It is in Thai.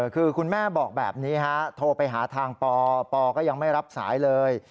คือคุณแม่บอกแบบนี้ฮะโทรไปหาทางปปก็ยังไม่รับสายเลย